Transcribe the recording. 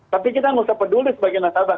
tapi kita harus peduli sebagai nasabah